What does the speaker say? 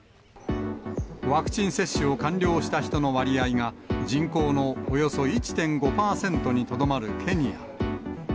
ワクチン接種を完了した人の割合が、人口のおよそ１．５％にとどまるケニア。